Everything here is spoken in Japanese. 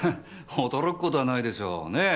驚く事はないでしょうねえ？